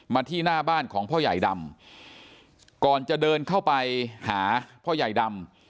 ที่หน้าบ้านของพ่อใหญ่ดำก่อนจะเดินเข้าไปหาพ่อใหญ่ดำ